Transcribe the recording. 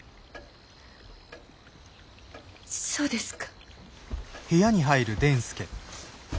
そうですか。